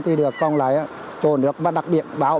thì được còn lấy chỗ nước mà đặc biệt báo